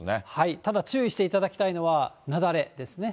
ただ、注意していただきたいのは、雪崩ですね。